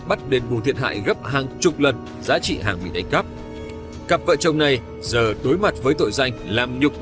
ảnh hưởng không chịu